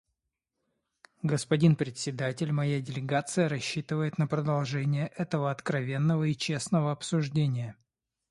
Господин Председатель, моя делегация рассчитывает на продолжение этого откровенного и честного обсуждения.